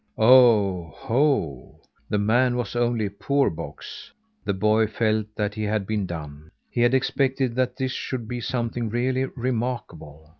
_ Oh ho! the man was only a poor box. The boy felt that he had been done. He had expected that this should be something really remarkable.